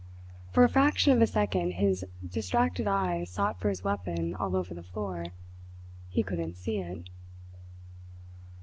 For a fraction of a second his distracted eyes sought for his weapon all over the floor. He couldn't see it.